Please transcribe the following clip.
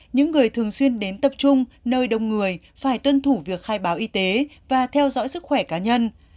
những người thường xuyên đến tập trung nơi đông người phải tuân thủ việc khai báo y tế và theo dõi sức khỏe cá nhân